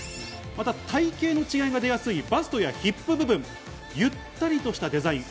また、体形の違いが出やすいバストやヒップ部分、ゆったりとしたデザイン。